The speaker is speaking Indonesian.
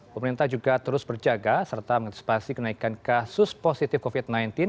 pemerintah juga terus berjaga serta mengantisipasi kenaikan kasus positif covid sembilan belas